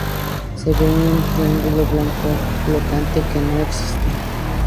Se ve un triángulo blanco flotante, que no existe.